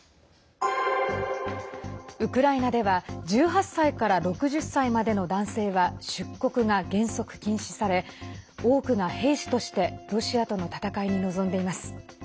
ウクライナでは１８歳から６０歳までの男性は出国が原則禁止され多くが兵士としてロシアとの戦いに臨んでいます。